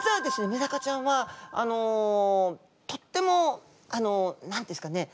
メダカちゃんはとってもあの何て言うんですかねえ！？